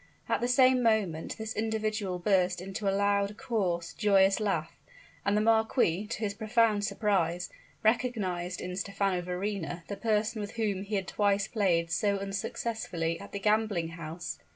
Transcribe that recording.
At the same moment this individual burst into a loud, coarse, joyous laugh; and the marquis, to his profound surprise, recognized in Stephano Verrina the person with whom he had twice played so unsuccessfully at the gambling house.